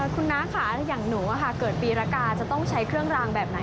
คุณน้าค่ะอย่างหนูเกิดปีรกาจะต้องใช้เครื่องรางแบบไหน